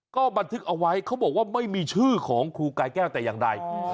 ก็บันทึกเอาไว้เขาบอกว่าไม่มีชื่อของครูกายแก้วแต่อย่างใด